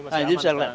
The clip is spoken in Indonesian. nah ini bisa dilihat